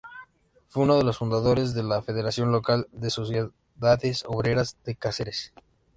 Fue uno de los fundadores de la Federación Local de Sociedades Obreras de Cáceres.